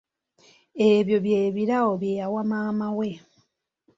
Ebyo bye birabo bye yawa maama we.